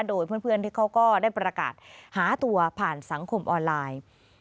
โดยเพื่อนที่เขาก็ได้ประกาศหาตัวผ่านสังคมออนไลน์